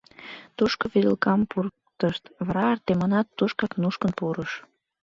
Тушко вӱдылкам пуртышт, вара Артемонат тушкак нушкын пурыш.